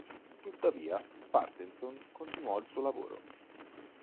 Tuttavia Paterson continuò il suo lavoro.